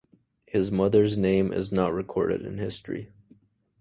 His mother's name is not recorded in history.